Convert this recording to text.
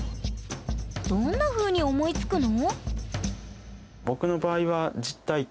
どんなふうに思いつくの？